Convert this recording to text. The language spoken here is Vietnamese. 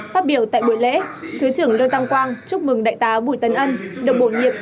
phát biểu tại buổi lễ thứ trưởng lương tam quang chúc mừng đại tá bùi tấn ân được bổ nhiệm